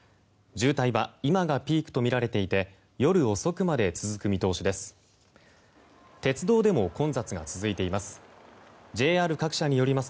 渋滞は今がピークとみられていて夜遅くまで続く見通しです。